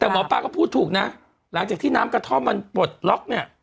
แต่หมอปลาก็พูดถูกนะหลังจากที่น้ำกระท่อมมันปลดล็อกเนี่ย